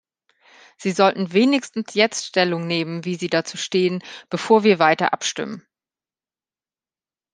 Sie sollten wenigstens jetzt Stellung nehmen, wie sie dazu stehen, bevor wir weiter abstimmen.